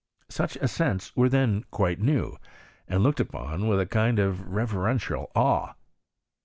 Such ascents were then quite new, and looked upon with a kind of reverential awe.